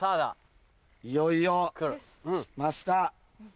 いよいよ来ました。